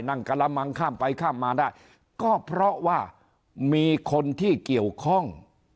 กระมังข้ามไปข้ามมาได้ก็เพราะว่ามีคนที่เกี่ยวข้อง